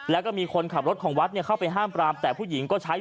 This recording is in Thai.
แล้วก็มีคนขับรถของวัดเข้าไปห้ามปรามแต่ผู้หญิงก็ใช้